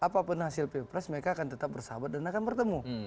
apapun hasil pilpres mereka akan tetap bersahabat dan akan bertemu